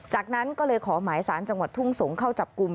จากนั้นก็เลยขอหมายสารจังหวัดทุ่งสงศ์เข้าจับกลุ่ม